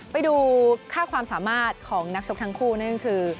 ไปดูค่าความสามารถของนักชกทั้งคู่นั่นคือ